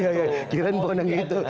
kira kira pon yang itu